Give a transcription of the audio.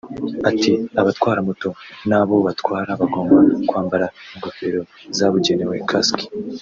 Ati "Abatwara moto n’abo batwara bagomba kwambara ingofero zabugenewe (casques)